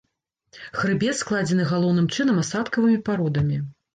Хрыбет складзены галоўным чынам асадкавымі пародамі.